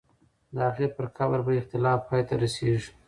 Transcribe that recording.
د هغې پر قبر به اختلاف پای ته رسېږي.